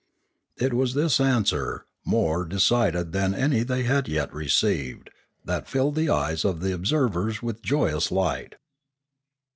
It was this answer, more decided than any they had yet re ceived, that filled the eyes of the observers with joyous light.